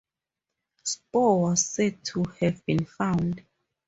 Spoor was said to have been found.